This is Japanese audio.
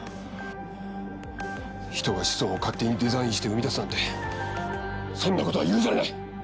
人が子孫を勝手にデザインして生み出すなんてそんなことは許されない。